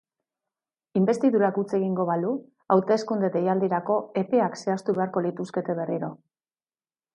Inbestidurak huts egingo balu, hauteskunde deialdirako epeak zehaztu beharko lituzkete berriro.